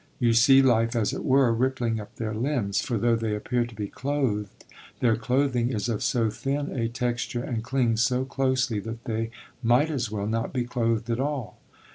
You see life, as it were, rippling up their limbs; for though they appear to be clothed, their clothing is of so thin a texture, and clings so closely that they might as well not be clothed at all.